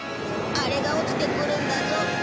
あれが落ちてくるんだぞ。